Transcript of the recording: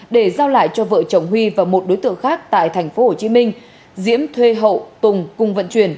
để giao lại cho vợ chồng huy và một đối tượng khác tại thành phố hồ chí minh diễm thuê hậu tùng cùng vận chuyển